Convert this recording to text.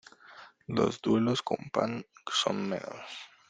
Los duelos con pan son menos.